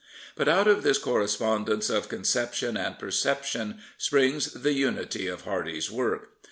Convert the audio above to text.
But out of this correspondence of conception and perception springs the unity of Hardy's work.